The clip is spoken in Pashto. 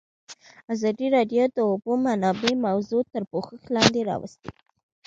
ازادي راډیو د د اوبو منابع موضوع تر پوښښ لاندې راوستې.